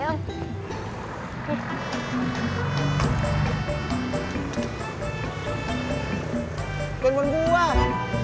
nyadar lu gue kira gak sadar